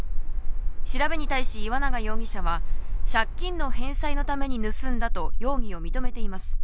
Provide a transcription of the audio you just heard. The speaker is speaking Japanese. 調べに対し、岩永容疑者は借金の返済のために盗んだと容疑を認めています。